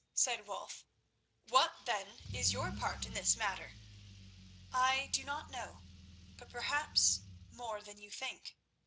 said Wulf. "What, then, is your part in this matter?" "I do not know, but perhaps more than you think.